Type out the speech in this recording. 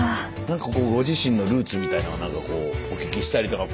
何かこうご自身のルーツみたいなのは何かこうお聞きしたりとか。